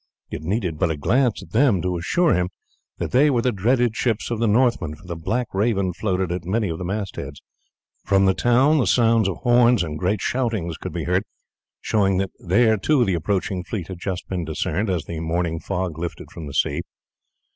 It needed but a glance at them to assure him that they were the dreaded ships of the Northmen, for the Black Raven floated at many of the mast heads. From the town the sounds of horns and great shoutings could be heard, showing that there too the approaching fleet had just been discerned as the morning fog lifted from the sea.